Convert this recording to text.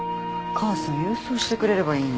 母さん郵送してくれればいいのに。